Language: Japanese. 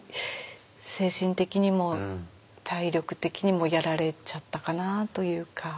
精神的にも体力的にもやられちゃったかなあというか。